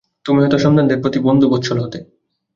তুমি হয়তো সন্তানদের প্রতি বন্ধুবৎসল হতে।